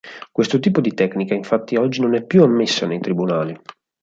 Questo tipo di tecnica infatti oggi non è più ammessa nei tribunali.